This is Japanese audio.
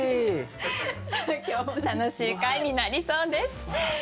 さあ今日も楽しい回になりそうです。